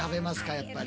やっぱり。